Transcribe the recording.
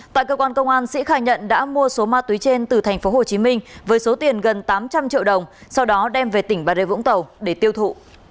tại cơ quan công an sĩ khai nhận đã mua số ma túy trên từ tp hcm với số tiền gần tám trăm linh triệu đồng sau đó đem về tỉnh bà rê vũng tàu để tiêu thụ